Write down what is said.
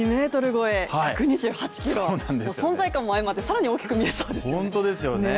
２ｍ超え、１２８ｋｇ、存在感も相まって更に大きく見えそうですね。